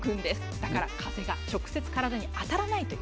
だから、風が直接体に当たらないという。